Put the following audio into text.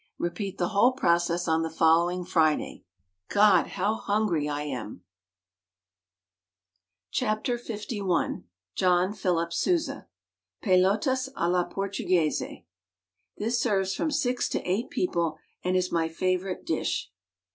Repeat the whole process on the following Friday. God ! How hungry I am. WRITTEN FOR MEN BY MEN LI John Philip Sousa PELOTAS A LA PORTUGUESE "This serves from six to eight people and is my favorite dish."